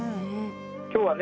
今日はね